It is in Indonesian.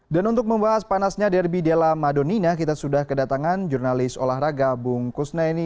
dan untuk membahas panasnya derby della madonnina kita sudah kedatangan jurnalis olahraga bung kusne ini